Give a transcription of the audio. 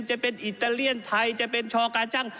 จะเป็นอิตาเลียนไทยจะเป็นชอกาจัง